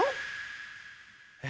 え？